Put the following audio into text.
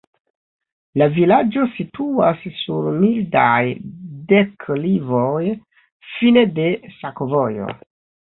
La vilaĝo situas sur mildaj deklivoj, fine de sakovojo.